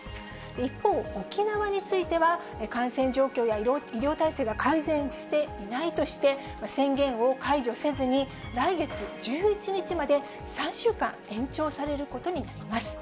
一方、沖縄については、感染状況や医療体制が改善していないとして、宣言を解除せずに、来月１１日まで３週間延長されることになります。